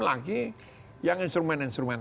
lagi yang instrumen instrumen